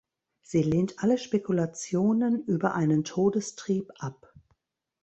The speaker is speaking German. Sie lehnt alle Spekulationen über einen Todestrieb ab.